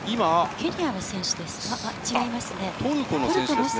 ケニアの選手ですか？